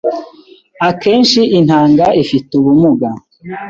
Akenshi intanga ifite ubumuga